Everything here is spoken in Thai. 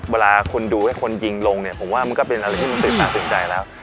เวลาคุณดูให้คนยิงลงเนี่ยผมว่ามันก็เป็นอะไรที่มันตื่นตาตื่นใจแล้ว